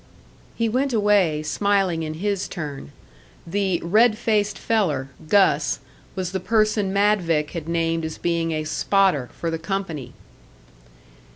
He went away, smiling in his turn. The "red faced feller. Gus," was the person Madvik had named as being a "spotter" for the company!